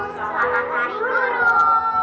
selamat hari guru